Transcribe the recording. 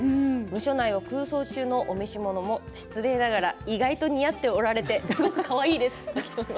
ムショ内を空想中のお召し物も失礼ながら意外と似合っておられてすごくかわいいです。